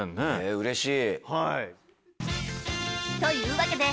うれしい。